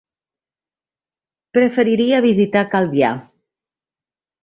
Preferiria visitar Calvià.